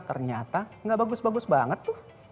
ternyata gak bagus bagus banget tuh